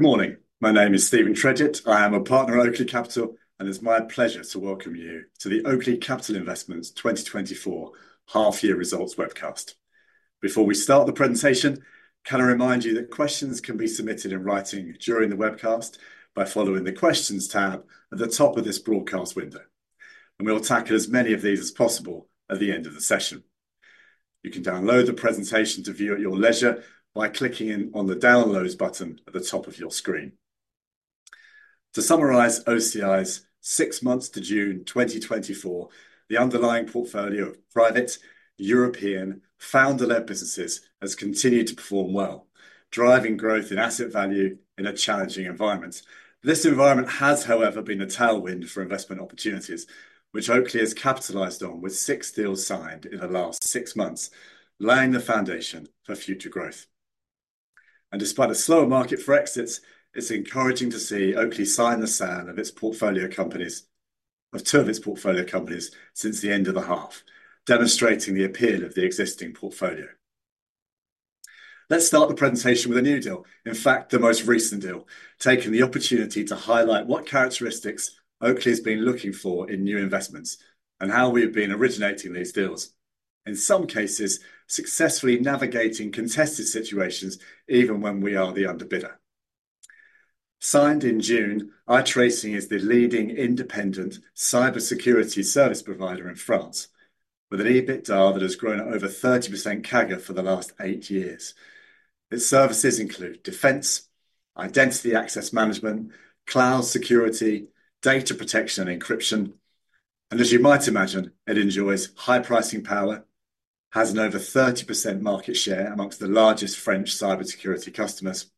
Good morning. My name is Steven Tredget. I am a Partner at Oakley Capital, and it's my pleasure to welcome you to the Oakley Capital Investments 2024 half-year results webcast. Before we start the presentation, can I remind you that questions can be submitted in writing during the webcast by following the Questions tab at the top of this broadcast window, and we'll tackle as many of these as possible at the end of the session. You can download the presentation to view at your leisure by clicking on the Downloads button at the top of your screen. To summarize OCI's six months to June 2024, the underlying portfolio of private European founder-led businesses has continued to perform well, driving growth in asset value in a challenging environment. This environment has, however, been a tailwind for investment opportunities, which Oakley has capitalized on, with six deals signed in the last six months, laying the foundation for future growth. Despite a slower market for exits, it's encouraging to see Oakley sign the sale of two of its portfolio companies since the end of the half, demonstrating the appeal of the existing portfolio. Let's start the presentation with a new deal, in fact, the most recent deal, taking the opportunity to highlight what characteristics Oakley has been looking for in new investments and how we have been originating these deals. In some cases, successfully navigating contested situations even when we are the underbidder. Signed in June, I-TRACING is the leading independent cybersecurity service provider in France, with an EBITDA that has grown at over 30% CAGR for the last eight years. Its services include defense, identity access management, cloud security, data protection, and encryption. As you might imagine, it enjoys high pricing power, has an over 30% market share amongst the largest French cybersecurity customers,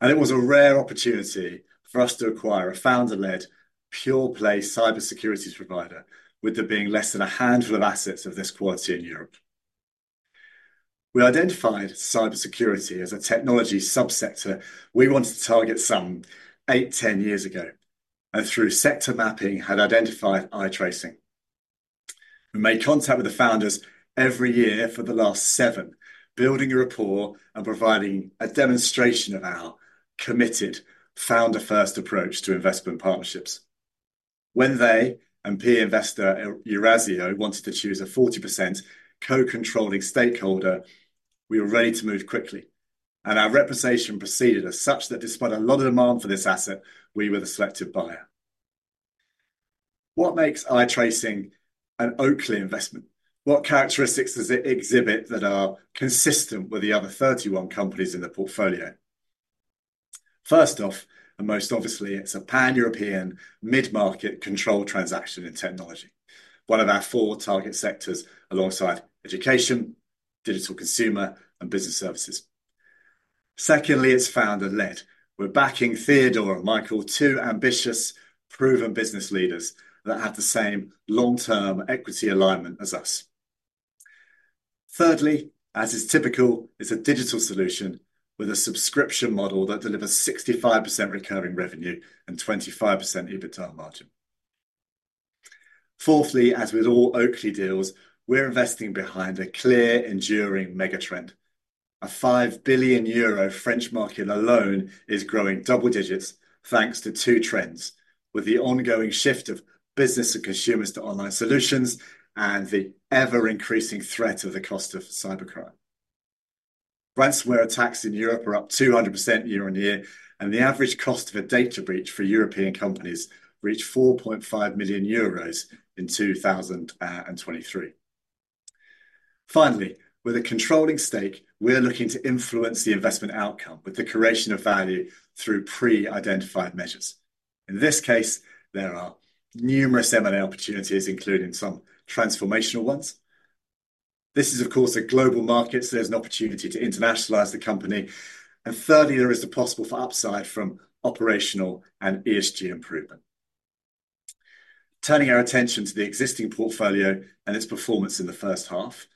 and it was a rare opportunity for us to acquire a founder-led, pure-play cybersecurity provider, with there being less than a handful of assets of this quality in Europe. We identified cybersecurity as a technology sub-sector we wanted to target some eight, 10 years ago, and through sector mapping, had identified I-TRACING. We made contact with the founders every year for the last seven, building a rapport and providing a demonstration of our committed founder-first approach to investment partnerships. When they and peer investor Eurazeo wanted to choose a 40% co-controlling stakeholder, we were ready to move quickly, and our representation proceeded as such that despite a lot of demand for this asset, we were the selected buyer. What makes I-TRACING an Oakley investment? What characteristics does it exhibit that are consistent with the other 31 companies in the portfolio? First off, and most obviously, it's a pan-European, mid-market controlled transaction in technology, one of our four target sectors, alongside education, digital consumer, and business services. Secondly, it's founder-led. We're backing Theodore and Michael, two ambitious, proven business leaders that have the same long-term equity alignment as us. Thirdly, as is typical, it's a digital solution with a subscription model that delivers 65% recurring revenue and 25% EBITDA margin. Fourthly, as with all Oakley deals, we're investing behind a clear, enduring mega trend. A 5 billion euro French market alone is growing double-digits, thanks to two trends, with the ongoing shift of business and consumers to online solutions and the ever-increasing threat of the cost of cybercrime. Ransomware attacks in Europe are up 200% year-on-year, and the average cost of a data breach for European companies reached 4.5 million euros in 2023. Finally, with a controlling stake, we're looking to influence the investment outcome with the creation of value through pre-identified measures. In this case, there are numerous M&A opportunities, including some transformational ones. This is, of course, a global market, so there's an opportunity to internationalize the company. And thirdly, there is the possible for upside from operational and ESG improvement. Turning our attention to the existing portfolio and its performance in the first half,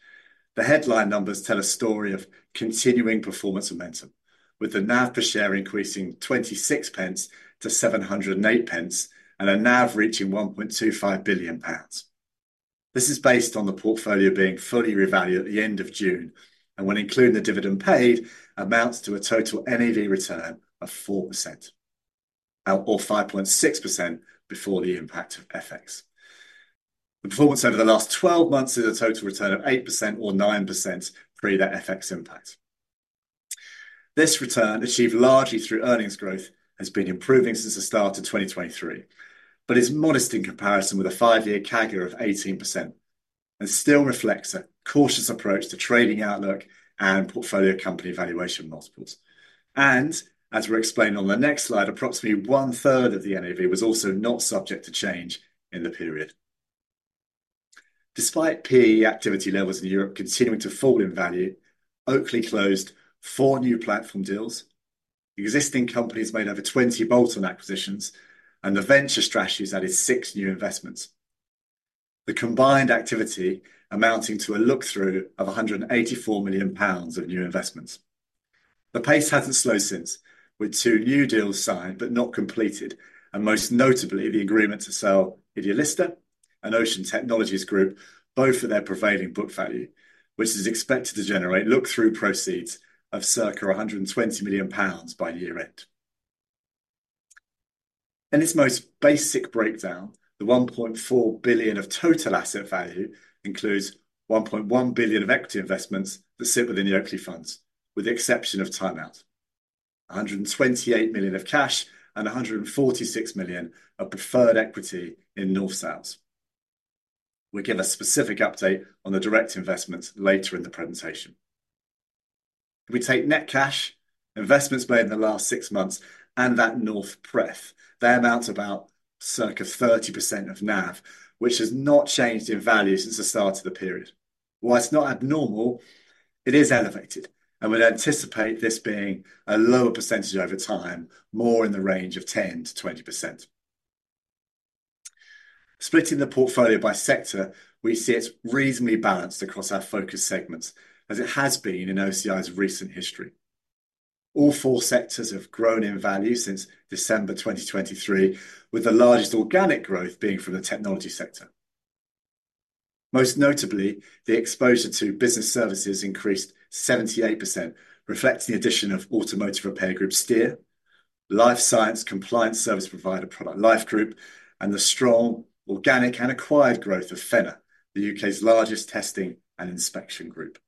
the headline numbers tell a story of continuing performance momentum, with the NAV per share increasing 0.26-7.08, and a NAV reaching 1.25 billion pounds. This is based on the portfolio being fully revalued at the end of June, and when including the dividend paid, amounts to a total NAV return of 4%, or 5.6% before the impact of FX. The performance over the last 12 months is a total return of 8% or 9% pre the FX impact. This return, achieved largely through earnings growth, has been improving since the start of 2023, but is modest in comparison with a five-year CAGR of 18% and still reflects a cautious approach to trading outlook and portfolio company valuation multiples. And as we're explaining on the next slide, approximately one-third of the NAV was also not subject to change in the period. Despite PE activity levels in Europe continuing to fall in value, Oakley closed 4 new platform deals. Existing companies made over 20 bolt-on acquisitions, and the venture strategy has added 6 new investments. The combined activity amounting to a look-through of 184 million pounds of new investments. The pace hasn't slowed since, with 2 new deals signed but not completed, and most notably, the agreement to sell Idealista-... and Ocean Technologies Group, both at their prevailing book value, which is expected to generate look-through proceeds of circa GBP 120 million by year-end. In its most basic breakdown, the 1.4 billion of total asset value includes 1.1 billion of equity investments that sit within the Oakley funds, with the exception of Time Out. 128 million of cash and 146 million of preferred equity in North Sails. We'll give a specific update on the direct investments later in the presentation. If we take net cash, investments made in the last six months, and that North pref, they amount to about circa 30% of NAV, which has not changed in value since the start of the period. While it's not abnormal, it is elevated, and we'd anticipate this being a lower percentage over time, more in the range of 10%-20%. Splitting the portfolio by sector, we see it's reasonably balanced across our focus segments, as it has been in OCI's recent history. All four sectors have grown in value since December 2023, with the largest organic growth being from the technology sector. Most notably, the exposure to business services increased 78%, reflecting the addition of automotive repair group Steer, life science compliance service provider ProductLife Group, and the strong organic and acquired growth of Phenna, the U.K.'s largest testing and inspection group.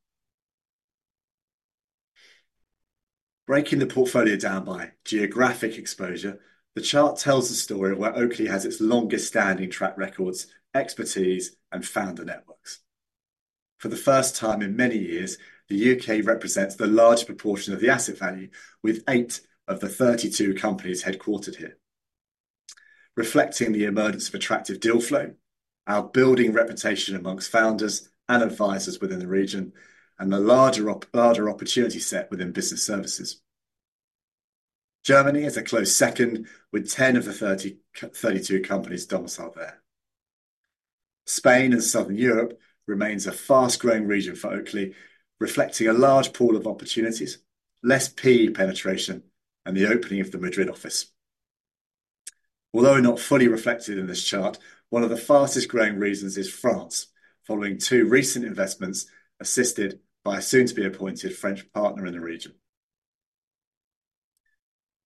Breaking the portfolio down by geographic exposure, the chart tells a story of where Oakley has its longest-standing track records, expertise, and founder networks. For the first time in many years, the UK represents the largest proportion of the asset value, with eight of the thirty-two companies headquartered here. Reflecting the emergence of attractive deal flow, our building reputation amongst founders and advisors within the region, and the larger opportunity set within business services. Germany is a close second, with 10 of the 32 companies domiciled there. Spain and Southern Europe remains a fast-growing region for Oakley, reflecting a large pool of opportunities, less PE penetration, and the opening of the Madrid office. Although not fully reflected in this chart, one of the fastest-growing regions is France, following two recent investments, assisted by a soon-to-be-appointed French partner in the region.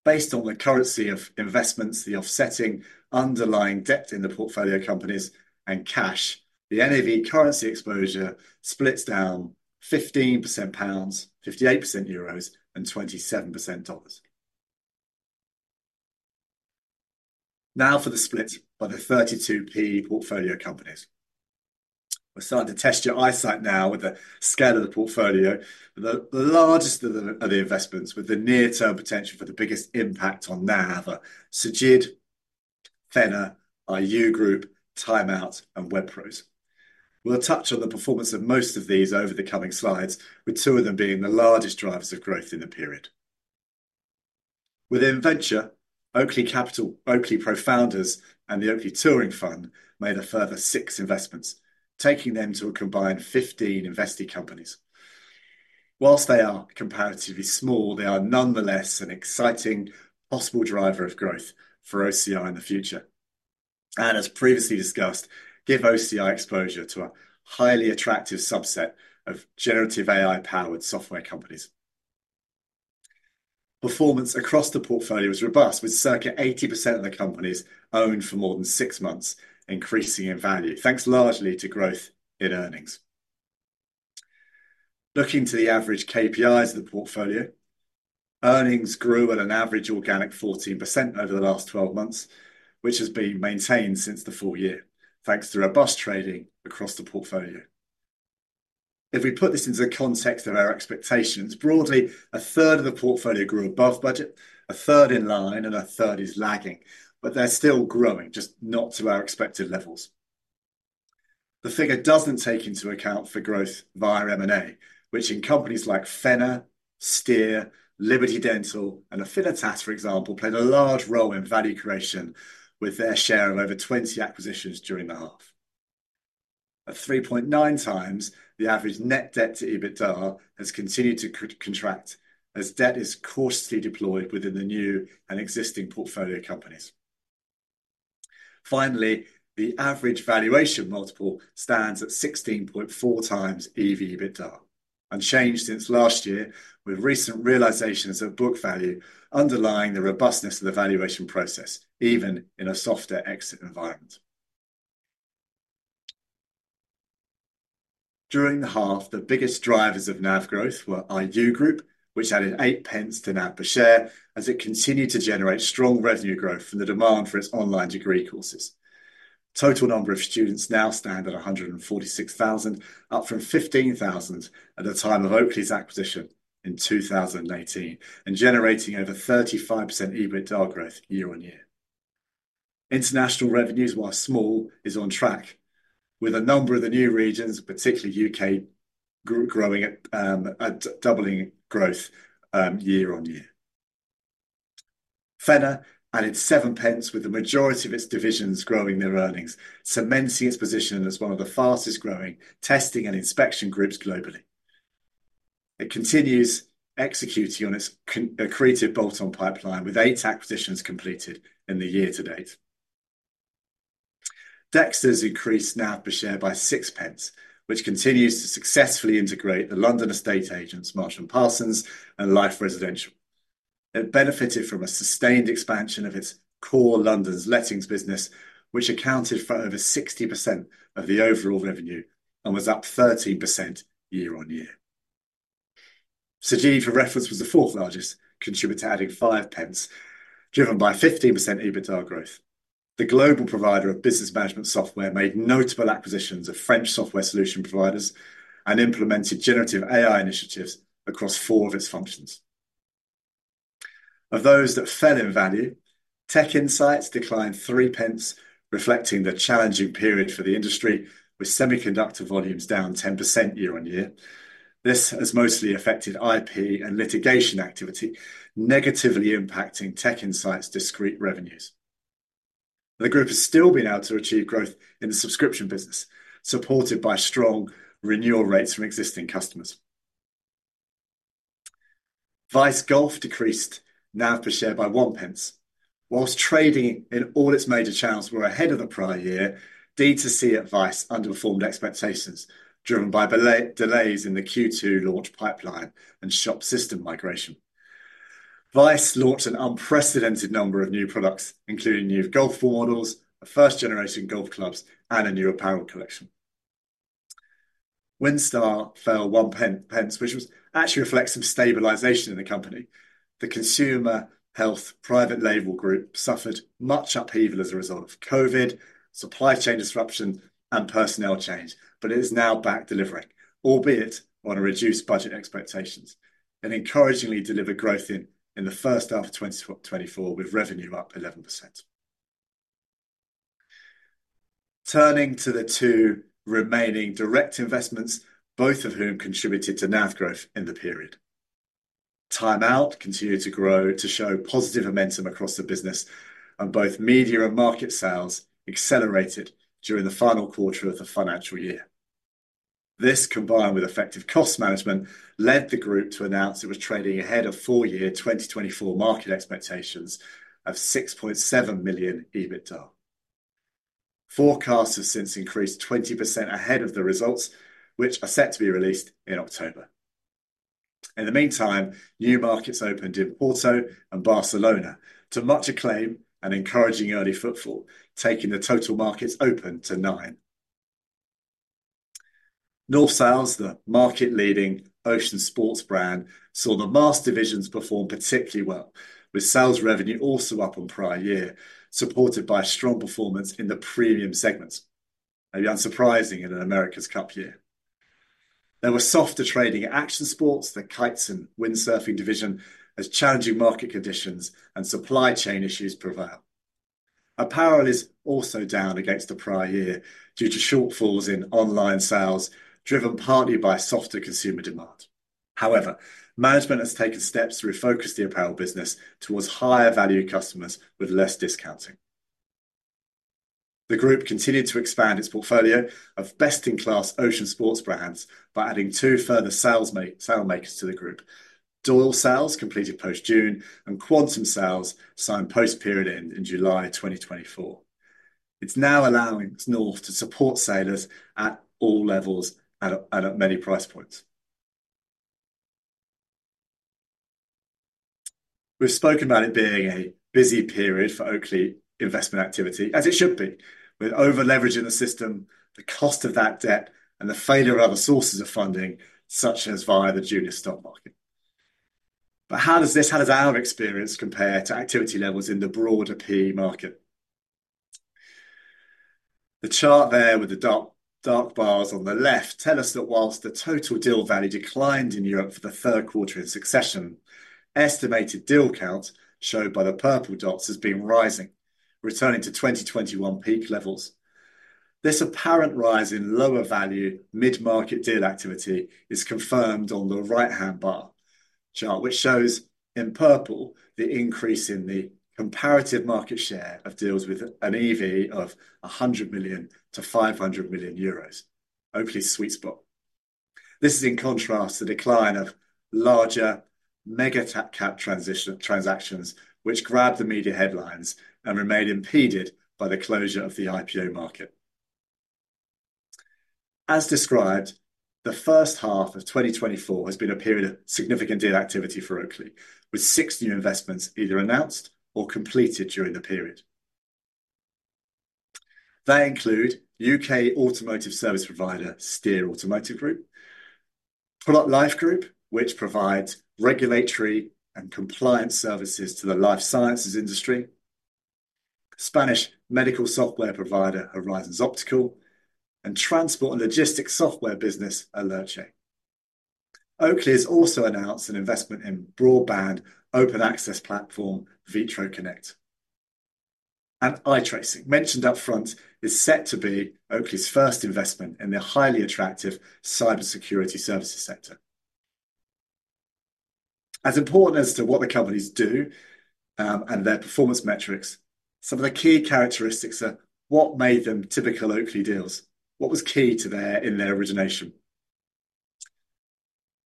Based on the currency of investments, the offsetting underlying debt in the portfolio companies and cash, the NAV currency exposure splits down 15% pounds, 58% euros, and 27% dollars. Now for the split by the 32 PE portfolio companies. We're starting to test your eyesight now with the scale of the portfolio. The largest of the investments with the near-term potential for the biggest impact on NAV are Cegid, Phenna Group, IU Group, Time Out Group, and WebPros. We'll touch on the performance of most of these over the coming slides, with two of them being the largest drivers of growth in the period. Within Venture, Oakley Capital, Oakley PROfounders, and the Oakley Touring Fund made a further 6 investments, taking them to a combined 15 invested companies. While they are comparatively small, they are nonetheless an exciting possible driver of growth for OCI in the future, and as previously discussed, give OCI exposure to a highly attractive subset of generative AI-powered software companies. Performance across the portfolio is robust, with circa 80% of the companies owned for more than 6 months increasing in value, thanks largely to growth in earnings. Looking to the average KPIs of the portfolio, earnings grew at an average organic 14% over the last 12 months, which has been maintained since the full-year, thanks to robust trading across the portfolio. If we put this into the context of our expectations, broadly, a third of the portfolio grew above budget, a third in line, and a third is lagging, but they're still growing, just not to our expected levels. The figure doesn't take into account for growth via M&A, which in companies like Phenna, Steer, Liberty Dental, and Affinitas, for example, played a large role in value creation, with their share of over 20 acquisitions during the half. At 3.9x, the average net debt to EBITDA has continued to contract, as debt is cautiously deployed within the new and existing portfolio companies. Finally, the average valuation multiple stands at 16.4x EV/EBITDA, unchanged since last year, with recent realizations of book value underlying the robustness of the valuation process, even in a softer exit environment. During the half, the biggest drivers of NAV growth were IU Group, which added eight pence to NAV per share, as it continued to generate strong revenue growth from the demand for its online degree courses. Total number of students now stand at 146,000, up from 15,000 at the time of Oakley's acquisition in 2018, and generating over 35% EBITDA growth year-on-year. International revenues, while small, is on track, with a number of the new regions, particularly UK, growing at doubling growth year-on-year. Phenna added 0.07, with the majority of its divisions growing their earnings, cementing its position as one of the fastest-growing testing and inspection groups globally. It continues executing on its accretive bolt-on pipeline, with 8 acquisitions completed in the year-to-date. Dexters increased NAV per share by 0.06, which continues to successfully integrate the London estate agents, Marsh & Parsons, and LiFE Residential. It benefited from a sustained expansion of its core London lettings business, which accounted for over 60% of the overall revenue and was up 13% year-on-year. Cegid, for reference, was the fourth largest contributor, adding 0.05, driven by a 15% EBITDA growth. The global provider of business management software made notable acquisitions of French software solution providers and implemented generative AI initiatives across four of its functions. Of those that fell in value, TechInsights declined 0.03, reflecting the challenging period for the industry, with semiconductor volumes down 10% year-on-year. This has mostly affected IP and litigation activity, negatively impacting TechInsights' discrete revenues. The group has still been able to achieve growth in the subscription business, supported by strong renewal rates from existing customers. Vice Golf decreased NAV per share by 0.01. While trading in all its major channels were ahead of the prior year, D2C at Vice underperformed expectations, driven by delays in the Q2 launch pipeline and shop system migration. Vice launched an unprecedented number of new products, including new golf models, a first generation golf clubs, and a new apparel collection. WindStar fell 0.01, which actually reflects some stabilization in the company. The consumer health private label group suffered much upheaval as a result of COVID, supply chain disruption, and personnel change, but it is now back delivering, albeit on a reduced budget expectations, and encouragingly delivered growth in the first half of 2024, with revenue up 11%. Turning to the two remaining direct investments, both of whom contributed to NAV growth in the period. Time Out continued to grow to show positive momentum across the business, and both media and market sales accelerated during the final quarter of the financial year. This, combined with effective cost management, led the group to announce it was trading ahead of full-year 2024 market expectations of 6.7 million EBITDA. Forecasts have since increased 20% ahead of the results, which are set to be released in October. In the meantime, new markets opened in Porto and Barcelona to much acclaim and encouraging early footfall, taking the total markets open to nine. North Sails, the market-leading ocean sports brand, saw the mast divisions perform particularly well, with sails revenue also up on prior year, supported by strong performance in the premium segments. Maybe unsurprising in an America's Cup year. There was softer trading at Action Sports, the kites and windsurfing division, as challenging market conditions and supply chain issues prevail. Apparel is also down against the prior year due to shortfalls in online sales, driven partly by softer consumer demand. However, management has taken steps to refocus the apparel business towards higher value customers with less discounting. The group continued to expand its portfolio of best-in-class ocean sports brands by adding two further sail makers to the group. Doyle Sails completed post-June, and Quantum Sails signed post-period end in July 2024. It's now allowing North to support sailors at all levels at many price points. We've spoken about it being a busy period for Oakley investment activity, as it should be, with overleveraging the system, the cost of that debt, and the failure of other sources of funding, such as via the junior stock market. But how does this, how does our experience compare to activity levels in the broader PE market? The chart there with the dark, dark bars on the left tell us that while the total deal value declined in Europe for the third quarter in succession, estimated deal count, shown by the purple dots, has been rising, returning to 2021 peak levels. This apparent rise in lower value mid-market deal activity is confirmed on the right-hand bar chart, which shows, in purple, the increase in the comparative market share of deals with an EV of 100 million-500 million euros. Oakley's sweet spot. This is in contrast to the decline of larger mega-cap transactions, which grabbed the media headlines and remained impeded by the closure of the IPO market. As described, the first half of 2024 has been a period of significant deal activity for Oakley, with six new investments either announced or completed during the period. They include U.K. automotive service provider, Steer Automotive Group, ProductLife Group, which provides regulatory and compliance services to the life sciences industry, Spanish medical software provider, Horizons Optical, and transport and logistics software business, Alercre. Oakley has also announced an investment in broadband open access platform, Vitroconnect, and I-TRACING, mentioned up front, is set to be Oakley's first investment in the highly attractive cybersecurity services sector.... As important as to what the companies do, and their performance metrics, some of the key characteristics are what made them typical Oakley deals? What was key to their, in their origination?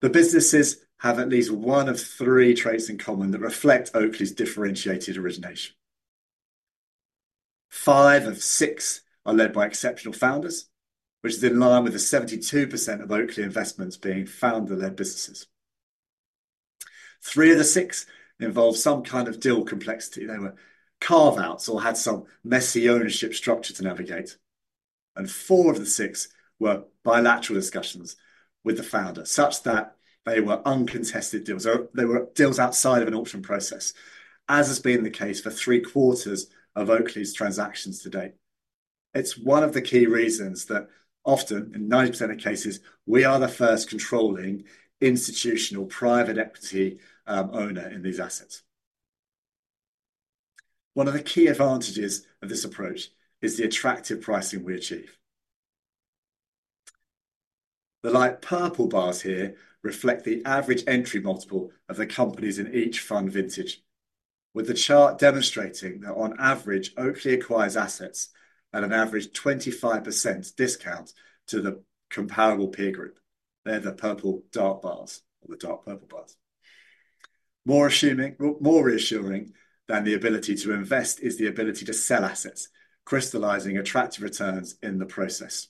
The businesses have at least one of three traits in common that reflect Oakley's differentiated origination. Five of six are led by exceptional founders, which is in line with the 72% of Oakley investments being founder-led businesses. Three of the six involve some kind of deal complexity. They were carve-outs or had some messy ownership structure to navigate, and four of the six were bilateral discussions with the founder, such that they were uncontested deals, or they were deals outside of an auction process, as has been the case for three-quarters of Oakley's transactions to date. It's one of the key reasons that often, in 90% of cases, we are the first controlling institutional private equity owner in these assets. One of the key advantages of this approach is the attractive pricing we achieve. The light purple bars here reflect the average entry multiple of the companies in each fund vintage, with the chart demonstrating that, on average, Oakley acquires assets at an average 25% discount to the comparable peer group. They're the purple dark bars, or the dark purple bars. More assuming, more reassuring than the ability to invest is the ability to sell assets, crystallizing attractive returns in the process.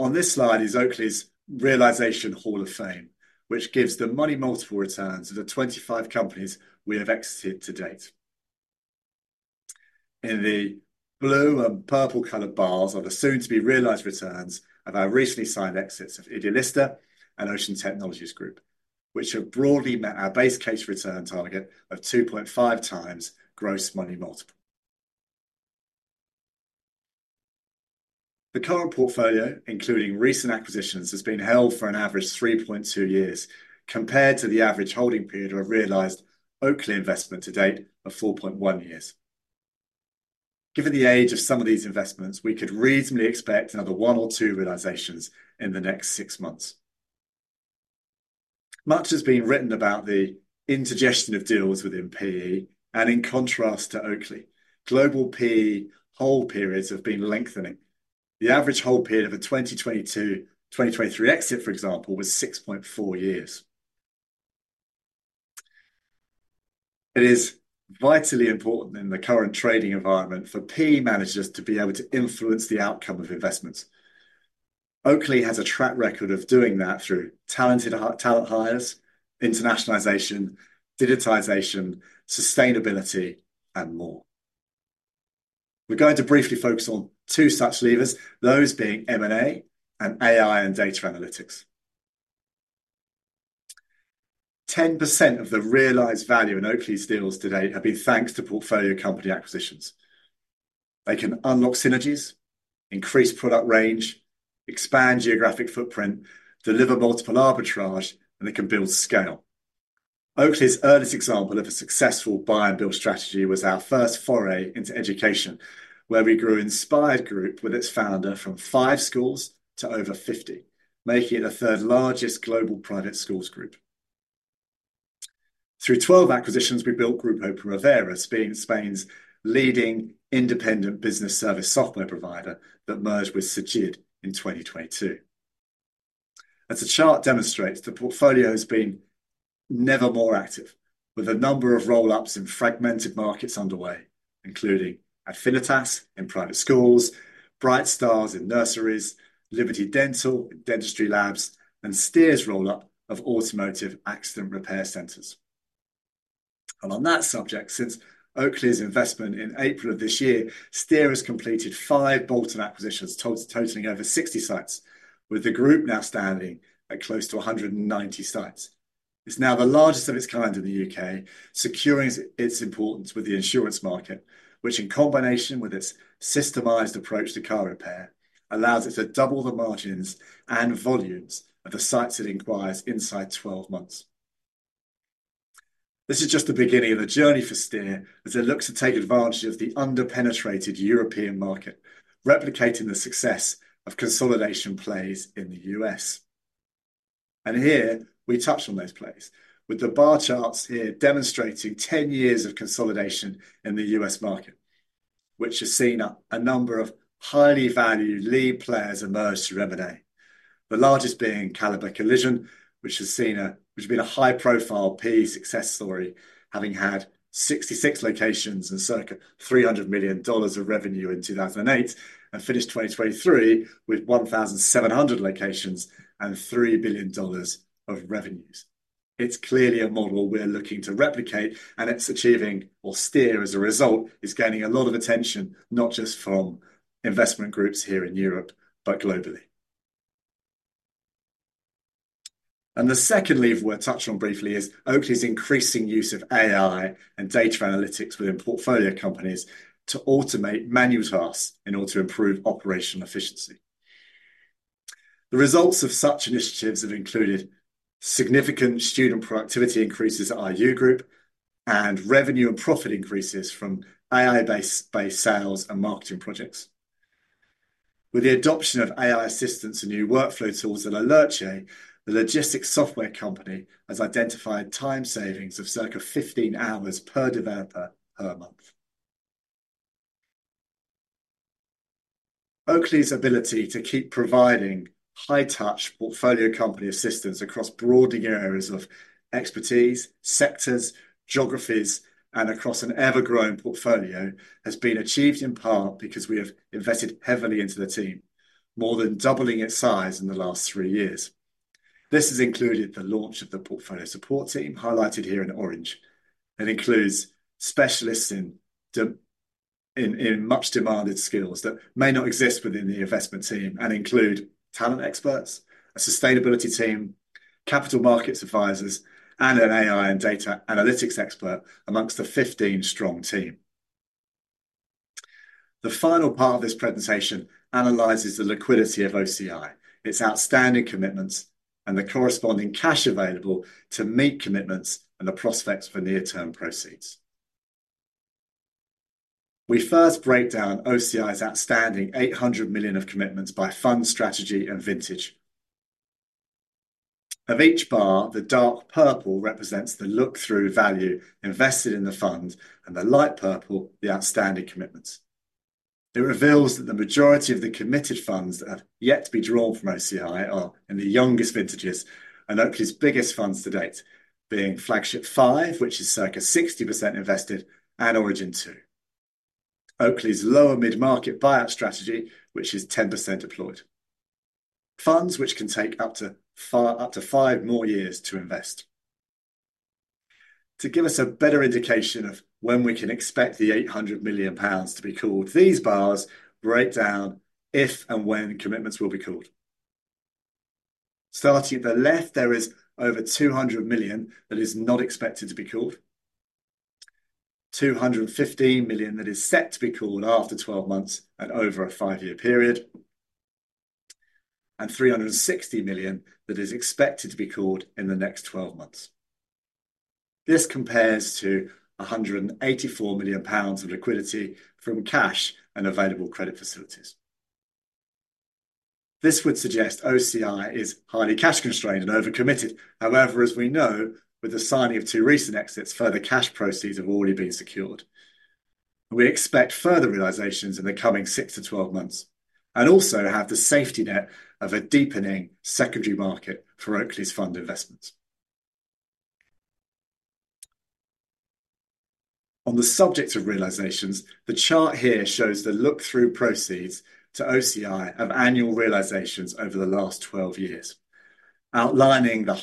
On, on this slide is Oakley's Realization Hall of Fame, which gives the money multiple returns of the 25 companies we have exited to date. In the blue and purple-colored bars are the soon-to-be-realized returns of our recently signed exits of Idealista and Ocean Technologies Group, which have broadly met our base case return target of 2.5x gross money multiple. The current portfolio, including recent acquisitions, has been held for an average 3.2 years, compared to the average holding period of a realized Oakley investment to date of 4.1 years. Given the age of some of these investments, we could reasonably expect another one or two realizations in the next six months. Much has been written about the indigestion of deals within PE, and in contrast to Oakley. Global PE hold periods have been lengthening. The average hold period of a 2022/2023 exit, for example, was 6.4 years. It is vitally important in the current trading environment for PE managers to be able to influence the outcome of investments. Oakley has a track record of doing that through talented talent hires, internationalization, digitization, sustainability, and more. We're going to briefly focus on two such levers, those being M&A and AI and data analytics. 10% of the realized value in Oakley's deals to date have been thanks to portfolio company acquisitions. They can unlock synergies, increase product range, expand geographic footprint, deliver multiple arbitrage, and they can build scale. Oakley's earliest example of a successful buy and build strategy was our first foray into education, where we grew Inspired Group with its founder from five schools to over 50, making it the third largest global private schools group. Through 12 acquisitions, we built Grupo Primavera, Spain's leading independent business service software provider that merged with Cegid in 2022. As the chart demonstrates, the portfolio has been never more active, with a number of roll-ups in fragmented markets underway, including Affinitas in private schools, Bright Stars in nurseries, Liberty Dental in dentistry labs, and Steer's roll-up of automotive accident repair centers. And on that subject, since Oakley's investment in April of this year, Steer has completed five bolt-on acquisitions totaling over 60 sites, with the group now standing at close to 190 sites. It's now the largest of its kind in the U.K., securing its importance with the insurance market, which, in combination with its systematized approach to car repair, allows it to double the margins and volumes of the sites it acquires inside 12 months. This is just the beginning of the journey for Steer as it looks to take advantage of the under-penetrated European market, replicating the success of consolidation plays in the U.S. Here we touch on those plays, with the bar charts here demonstrating 10 years of consolidation in the U.S. market, which has seen a number of highly valued lead players emerge through M&A. The largest being Caliber Collision, which has been a high-profile PE success story, having had 66 locations and circa $300 million of revenue in 2008, and finished 2023 with 1,700 locations and $3 billion of revenues. It's clearly a model we're looking to replicate, and it's achieving, or Steer as a result, is gaining a lot of attention, not just from investment groups here in Europe, but globally. The second lever we'll touch on briefly is Oakley's increasing use of AI and data analytics within portfolio companies to automate manual tasks in order to improve operational efficiency. The results of such initiatives have included significant student productivity increases at IU Group, and revenue and profit increases from AI-based, by sales and marketing projects. With the adoption of AI assistance and new workflow tools at Alerce, the logistics software company has identified time savings of circa 15 hours per developer per month. Oakley's ability to keep providing high-touch portfolio company assistance across broadening areas of expertise, sectors, geographies, and across an ever-growing portfolio, has been achieved in part because we have invested heavily into the team, more than doubling its size in the last three years. This has included the launch of the portfolio support team, highlighted here in orange, and includes specialists in much demanded skills that may not exist within the investment team, and include talent experts, a sustainability team, capital markets advisors, and an AI and data analytics expert amongst the 15-strong team. The final part of this presentation analyzes the liquidity of OCI, its outstanding commitments, and the corresponding cash available to meet commitments and the prospects for near-term proceeds. We first break down OCI's outstanding 800 million of commitments by fund strategy and vintage. Of each bar, the dark purple represents the look-through value invested in the fund, and the light purple, the outstanding commitments. It reveals that the majority of the committed funds that have yet to be drawn from OCI are in the youngest vintages, and Oakley's biggest funds to date, being Flagship V, which is circa 60% invested, and Origin II. Oakley's lower mid-market buyout strategy, which is 10% deployed. Funds which can take up to five more years to invest. To give us a better indication of when we can expect the 800 million pounds to be called, these bars break down if and when commitments will be called. Starting at the left, there is over 200 million that is not expected to be called. 215 million that is set to be called after twelve months and over a five-year period, and 360 million that is expected to be called in the next twelve months. This compares to 184 million pounds of liquidity from cash and available credit facilities. This would suggest OCI is highly cash constrained and overcommitted. However, as we know, with the signing of two recent exits, further cash proceeds have already been secured. We expect further realizations in the coming 6-12 months, and also have the safety net of a deepening secondary market for Oakley's fund investments. On the subject of realizations, the chart here shows the look-through proceeds to OCI of annual realizations over the last 12 years, outlining the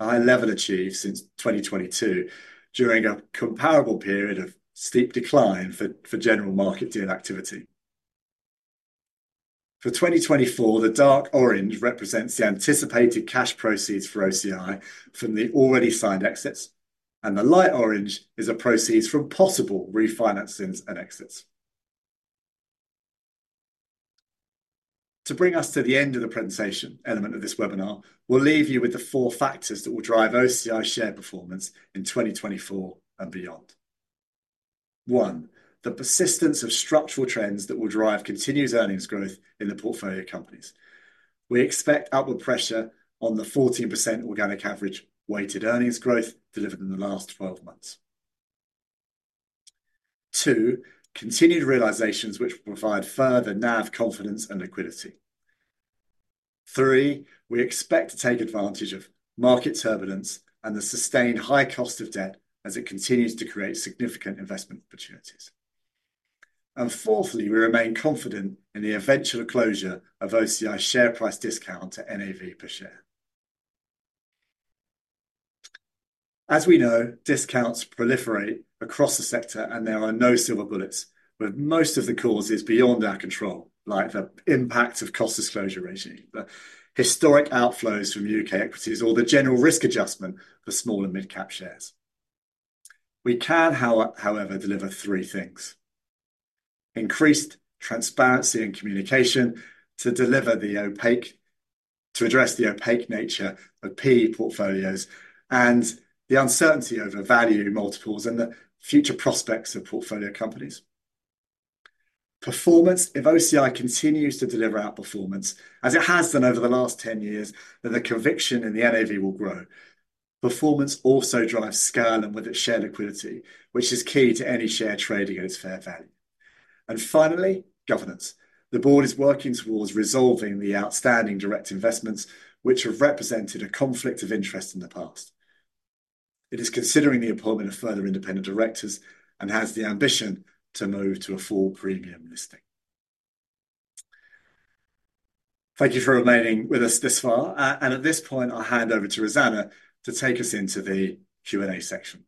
high level achieved since 2022 during a comparable period of steep decline for general market deal activity. For 2024, the dark orange represents the anticipated cash proceeds for OCI from the already signed exits, and the light orange is the proceeds from possible refinancings and exits. To bring us to the end of the presentation element of this webinar, we'll leave you with the four factors that will drive OCI share performance in 2024 and beyond. One, the persistence of structural trends that will drive continuous earnings growth in the portfolio companies. We expect upward pressure on the 14% organic average weighted earnings growth delivered in the last 12 months. Two, continued realizations, which will provide further NAV confidence and liquidity. Three, we expect to take advantage of market turbulence and the sustained high cost of debt as it continues to create significant investment opportunities. And fourthly, we remain confident in the eventual closure of OCI share price discount to NAV per share. As we know, discounts proliferate across the sector, and there are no silver bullets, with most of the causes beyond our control, like the impact of cost disclosure regime, the historic outflows from U.K. equities, or the general risk adjustment for small and mid-cap shares. We can, however, deliver three things: increased transparency and communication to address the opaque nature of PE portfolios and the uncertainty over value multiples and the future prospects of portfolio companies. Performance, if OCI continues to deliver outperformance, as it has done over the last ten years, then the conviction in the NAV will grow. Performance also drives scale, and with it, share liquidity, which is key to any share trading at its fair value. And finally, governance. The board is working towards resolving the outstanding direct investments, which have represented a conflict of interest in the past. It is considering the appointment of further independent directors and has the ambition to move to a full premium listing. Thank you for remaining with us this far, and at this point, I'll hand over to Rosanna to take us into the Q&A section.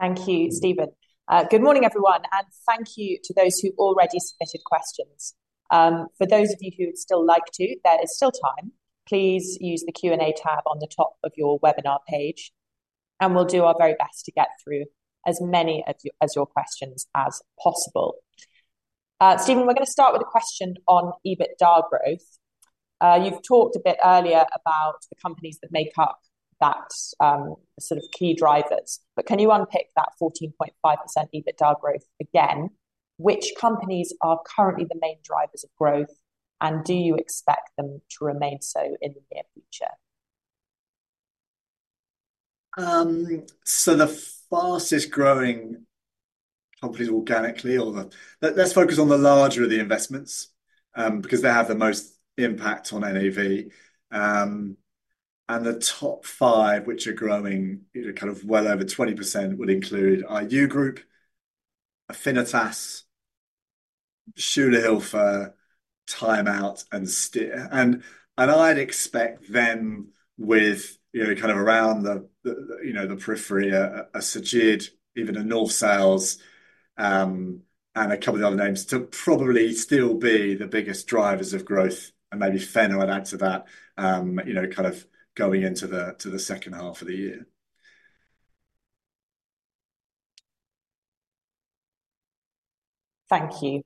Thank you, Steven. Good morning, everyone, and thank you to those who already submitted questions. For those of you who would still like to, there is still time. Please use the Q&A tab on the top of your webinar page, and we'll do our very best to get through as many of your, as your questions as possible. Steven, we're going to start with a question on EBITDA growth. You've talked a bit earlier about the companies that make up that sort of key drivers, but can you unpick that 14.5% EBITDA growth again? Which companies are currently the main drivers of growth, and do you expect them to remain so in the near future? So the fastest growing companies organically, or the—let's focus on the larger of the investments, because they have the most impact on NAV. And the top five, which are growing, you know, kind of well over 20%, would include IU Group, Affinitas, Schülerhilfe, Time Out, and Steer. And I'd expect them with, you know, kind of around the, the, you know, the periphery, Cegid, even a North Sails, and a couple of other names to probably still be the biggest drivers of growth, and maybe Phenna would add to that, you know, kind of going into the, to the second half of the year. Thank you,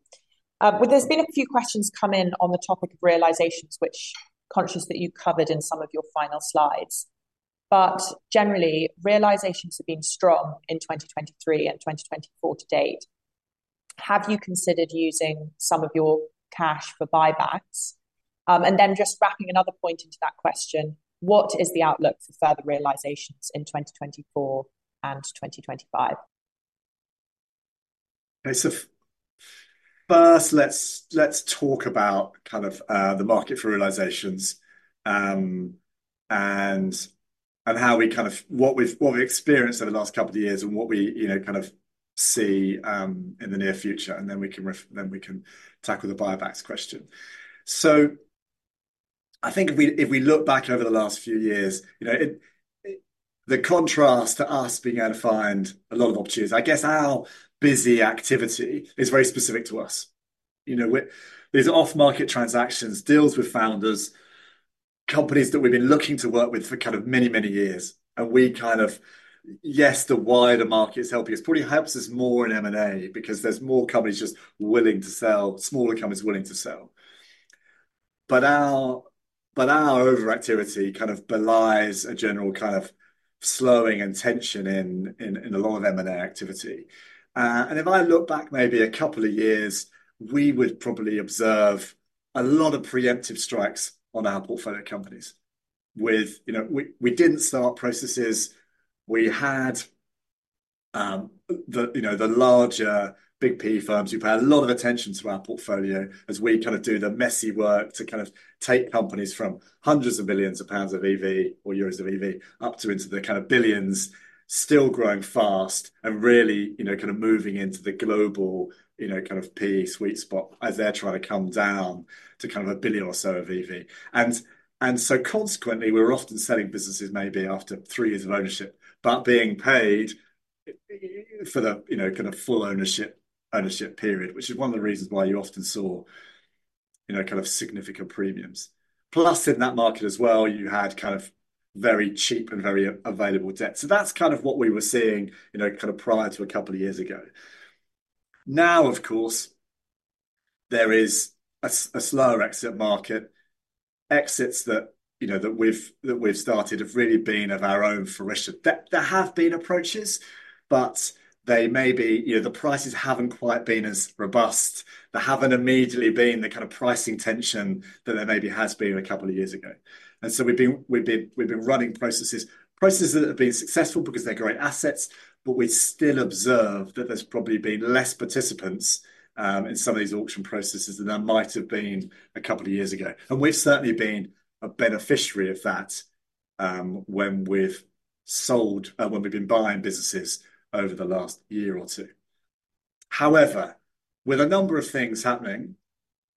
but there's been a few questions come in on the topic of realizations, which, conscious that you covered in some of your final slides, but generally, realizations have been strong in 2023 and 2024 to date. Have you considered using some of your cash for buybacks, and then just wrapping another point into that question, what is the outlook for further realizations in 2024 and 2025? Okay, so first, let's talk about kind of the market for realizations, and how we kind of, what we've experienced over the last couple of years, and what we, you know, kind of see in the near future, and then we can tackle the buybacks question. So I think if we look back over the last few years, you know, the contrast to us being able to find a lot of opportunities. I guess our buying activity is very specific to us. You know, these are off market transactions, deals with founders, companies that we've been looking to work with for kind of many, many years, and we kind of. Yes, the wider market is helping us. Probably helps us more in M&A because there's more companies just willing to sell, smaller companies willing to sell. But our overactivity kind of belies a general kind of slowing and tension in a lot of M&A activity. And if I look back maybe a couple of years, we would probably observe a lot of preemptive strikes on our portfolio companies. With, you know, we didn't start processes. We had the larger big PPE firms who pay a lot of attention to our portfolio as we kind of do the messy work to kind of take companies from hundreds of billions of pounds of EV or euros of EV, up to into the kind of billions, still growing fast and really, you know, kind of moving into the global, you know, kind of PE sweet spot as they're trying to come down to kind of a billion or so of EV. And so consequently, we're often selling businesses maybe after three years of ownership, but being paid either for the full ownership period, which is one of the reasons why you often saw significant premiums. Plus, in that market as well, you had kind of very cheap and very available debt. So that's kind of what we were seeing, you know, kind of prior to a couple of years ago. Now, of course, there is a slower exit market. Exits that, you know, that we've started have really been of our own fruition. There have been approaches, but they may be... you know, the prices haven't quite been as robust. There haven't immediately been the kind of pricing tension that there maybe has been a couple of years ago. And so we've been running processes that have been successful because they're great assets, but we still observe that there's probably been less participants in some of these auction processes than there might have been a couple of years ago. And we've certainly been a beneficiary of that, when we've sold, when we've been buying businesses over the last year or two. However, with a number of things happening,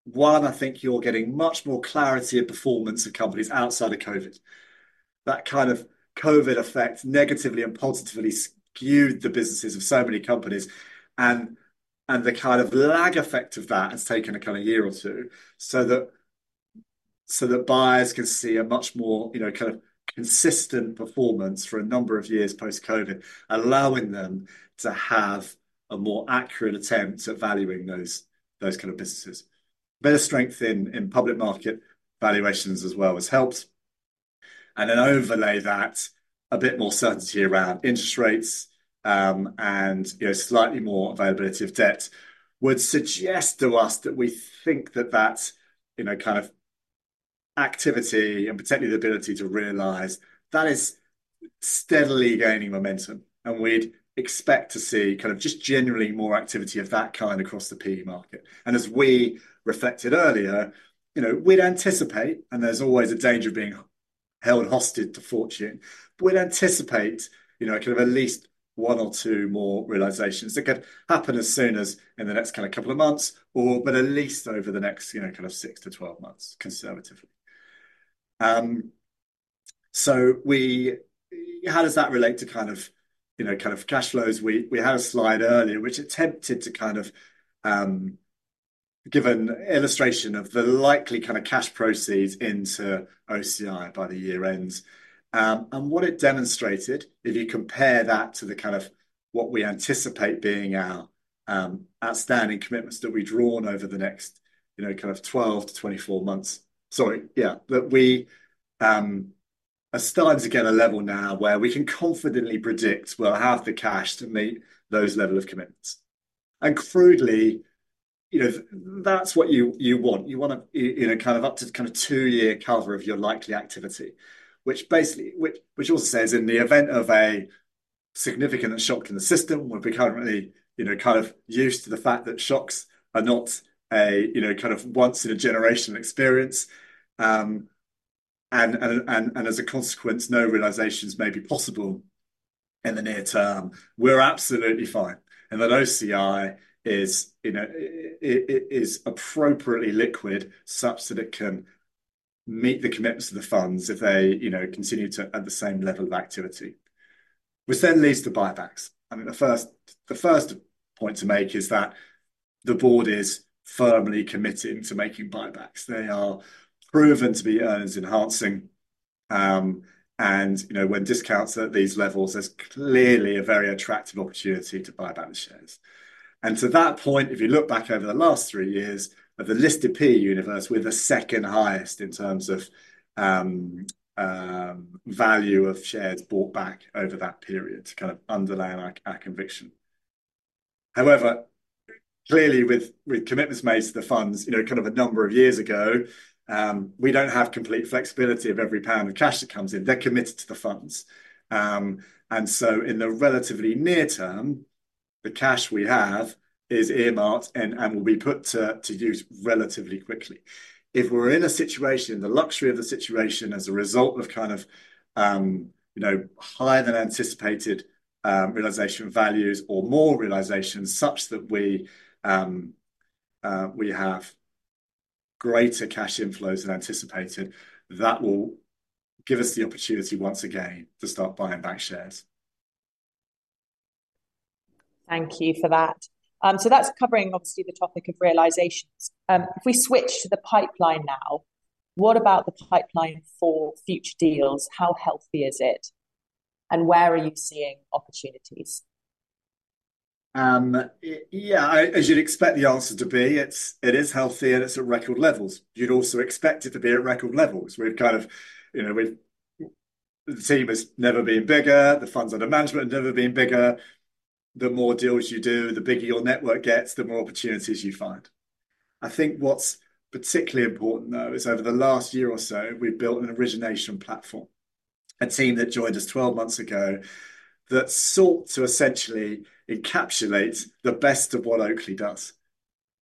one, I think you're getting much more clarity of performance of companies outside of COVID. That kind of COVID effect, negatively and positively skewed the businesses of so many companies, and the kind of lag effect of that has taken a kind of year or two, so that buyers can see a much more, you know, kind of consistent performance for a number of years post-COVID, allowing them to have a more accurate attempt at valuing those kind of businesses. Better strength in public market valuations as well has helped. And then overlay that a bit more certainty around interest rates, and, you know, slightly more availability of debt, would suggest to us that we think that that's, you know, kind of activity, and particularly the ability to realize that is steadily gaining momentum, and we'd expect to see kind of just generally more activity of that kind across the PE market. And as we reflected earlier, you know, we'd anticipate, and there's always a danger of being held hostage to fortune, but we'd anticipate, you know, kind of at least one or two more realizations that could happen as soon as in the next kind of couple of months, or, but at least over the next, you know, kind of 6-12 months, conservatively. So we how does that relate to kind of, you know, kind of cash flows? We had a slide earlier which attempted to kind of give an illustration of the likely kind of cash proceeds into OCI by the year ends, and what it demonstrated, if you compare that to the kind of what we anticipate being our outstanding commitments that we've drawn over the next, you know, kind of twelve to twenty-four months. Sorry, yeah, but we are starting to get a level now where we can confidently predict we'll have the cash to meet those level of commitments, and crudely, you know, that's what you want. You want a, you know, kind of up to kind of two-year cover of your likely activity, which basically, which also says in the event of a significant shock in the system, we've become really, you know, kind of used to the fact that shocks are not a, you know, kind of once in a generation experience. And as a consequence, no realizations may be possible in the near term. We're absolutely fine. And that OCI is, you know, is appropriately liquid, such that it can meet the commitments of the funds if they, you know, continue to at the same level of activity, which then leads to buybacks. I mean, the first point to make is that the board is firmly committed to making buybacks. They are proven to be earnings enhancing, and, you know, when discounts are at these levels, there's clearly a very attractive opportunity to buy back the shares. And to that point, if you look back over the last three years of the listed peer universe, we're the second highest in terms of value of shares bought back over that period to kind of underline our conviction. However, clearly with commitments made to the funds, you know, kind of a number of years ago, we don't have complete flexibility of every pound of cash that comes in. They're committed to the funds. And so in the relatively near-term, the cash we have is earmarked and will be put to use relatively quickly. If we're in a situation, the luxury of the situation as a result of kind of, you know, higher than anticipated realization values or more realizations such that we have greater cash inflows than anticipated, that will give us the opportunity once again to start buying back shares. Thank you for that. So that's covering obviously the topic of realizations. If we switch to the pipeline now, what about the pipeline for future deals? How healthy is it, and where are you seeing opportunities? Yeah, as you'd expect the answer to be, it's, it is healthy, and it's at record levels. You'd also expect it to be at record levels. We've kind of, you know, we've... the team has never been bigger. The funds under management have never been bigger. The more deals you do, the bigger your network gets, the more opportunities you find. I think what's particularly important, though, is over the last year or so, we've built an origination platform, a team that joined us 12 months ago that sought to essentially encapsulate the best of what Oakley does.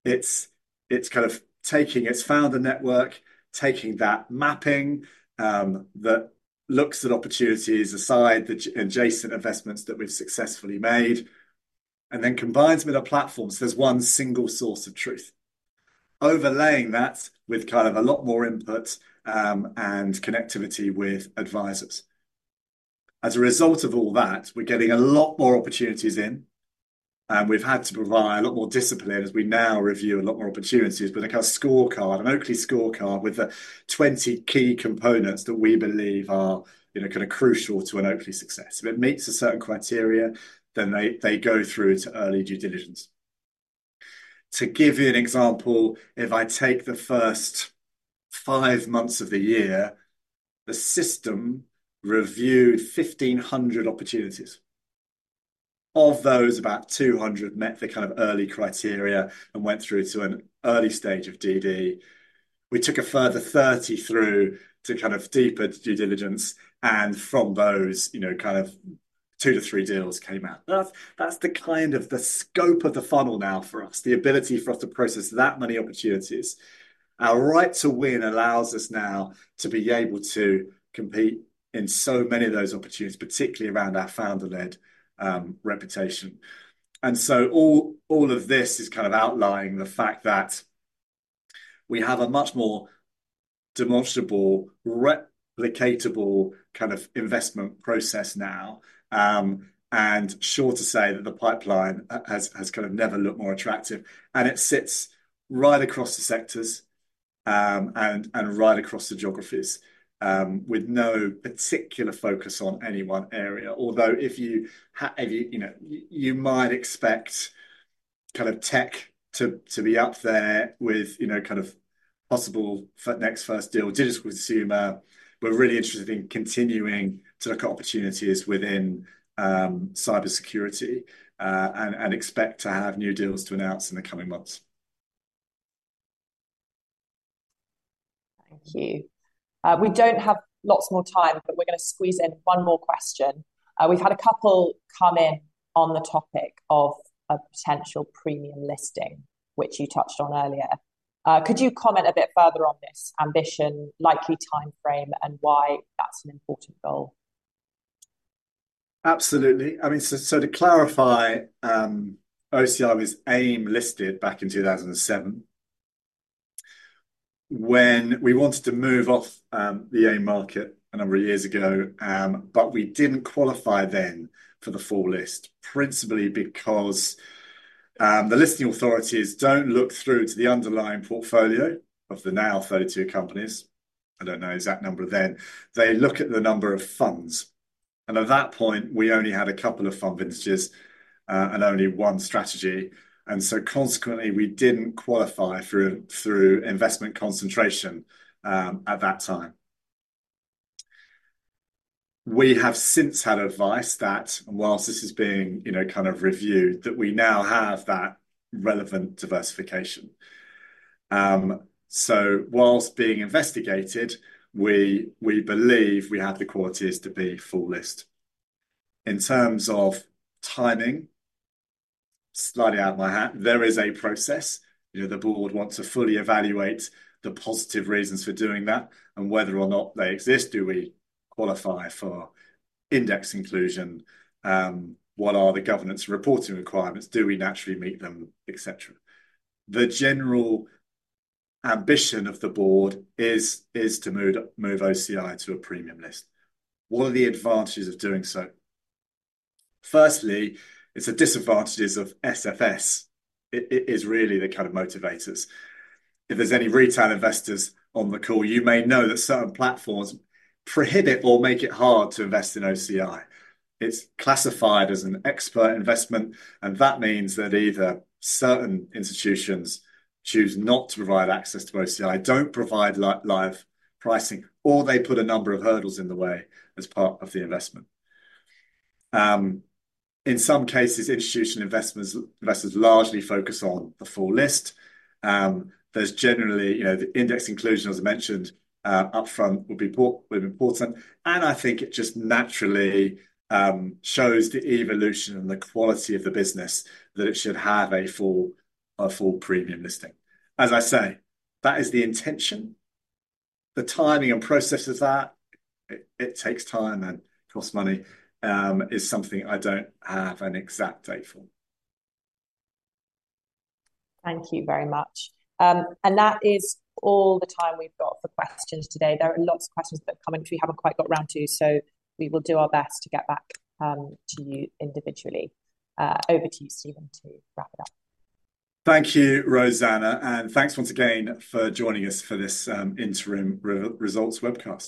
It's, it's kind of taking its founder network, taking that mapping, that looks at opportunities aside, the adjacent investments that we've successfully made, and then combines with our platforms. There's one single source of truth. Overlaying that with kind of a lot more input, and connectivity with advisers. As a result of all that, we're getting a lot more opportunities in, and we've had to provide a lot more discipline as we now review a lot more opportunities. But like a scorecard, an Oakley scorecard with the 20 key components that we believe are, you know, kind of crucial to an Oakley success. If it meets a certain criteria, then they, they go through to early due diligence. To give you an example, if I take the first five months of the year, the system reviewed 1,500 opportunities. Of those, about 200 met the kind of early criteria and went through to an early stage of DD. We took a further 30 through to kind of deeper due diligence, and from those, you know, kind of 2-3 deals came out. That's the kind of the scope of the funnel now for us, the ability for us to process that many opportunities. Our right to win allows us now to be able to compete in so many of those opportunities, particularly around our founder-led reputation. And so all of this is kind of outlining the fact that we have a much more demonstrable, replicatable kind of investment process now. And safe to say that the pipeline has kind of never looked more attractive, and it sits right across the sectors, and right across the geographies, with no particular focus on any one area. Although if you, you know, you might expect kind of tech to be up there with, you know, kind of possible for next first deal, digital consumer. We're really interested in continuing to look at opportunities within cybersecurity, and expect to have new deals to announce in the coming months. Thank you. We don't have lots more time, but we're gonna squeeze in one more question. We've had a couple come in on the topic of a potential premium listing, which you touched on earlier. Could you comment a bit further on this ambition, likely timeframe, and why that's an important goal? Absolutely. I mean, so to clarify, OCI was AIM-listed back in 2007. When we wanted to move off the AIM market a number of years ago, but we didn't qualify then for the full list, principally because the listing authorities don't look through to the underlying portfolio of the now 32 companies. I don't know exact number then. They look at the number of funds and at that point, we only had a couple of fund vintages and only one strategy, and so consequently, we didn't qualify through investment concentration at that time. We have since had advice that while this is being, you know, kind of reviewed, that we now have that relevant diversification, so while being investigated, we believe we have the qualities to be full list. In terms of timing, slightly out of my hat, there is a process. You know, the board wants to fully evaluate the positive reasons for doing that and whether or not they exist. Do we qualify for index inclusion? What are the governance reporting requirements? Do we naturally meet them, et cetera? The general ambition of the board is to move OCI to a premium listing. What are the advantages of doing so? First, it's the disadvantages of SFS. It is really the kind of motivators. If there's any retail investors on the call, you may know that certain platforms prohibit or make it hard to invest in OCI. It's classified as an expert investment, and that means that either certain institutions choose not to provide access to OCI, don't provide live pricing, or they put a number of hurdles in the way as part of the investment. In some cases, institutional investors largely focus on the full listing. There's generally, you know, the index inclusion, as I mentioned upfront, would be important, and I think it just naturally shows the evolution and the quality of the business that it should have a full premium listing. As I say, that is the intention. The timing and process of that, it takes time and costs money, is something I don't have an exact date for. Thank you very much, and that is all the time we've got for questions today. There are lots of questions that have come in which we haven't quite got round to, so we will do our best to get back to you individually. Over to you, Steven, to wrap it up. Thank you, Rosanna, and thanks once again for joining us for this interim results webcast.